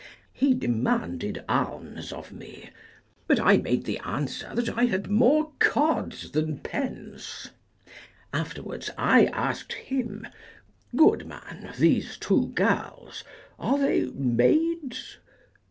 He demanded alms of me, but I made him answer that I had more cods than pence. Afterwards I asked him, Good man, these two girls, are they maids?